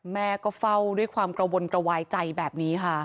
แม่ก็เฝ้าด้วยความกระวนกระวายใจแบบนี้ค่ะ